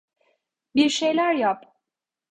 Bir şeyler yap!